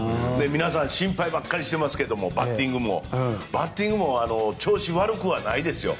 皆さん、心配ばっかりしてますがバッティングも調子悪くはないですよ。